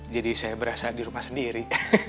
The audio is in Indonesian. jadi saya berasa di rumah sendiri